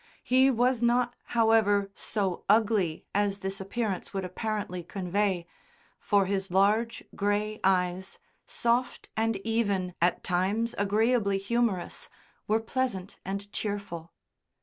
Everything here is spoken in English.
He was not, however, so ugly as this appearance would apparently convey, for his large, grey eyes, soft and even, at times agreeably humorous, were pleasant and cheerful.